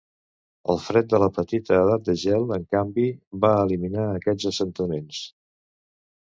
El fred de la Petita Edat de gel, en canvi, va eliminar aquests assentaments.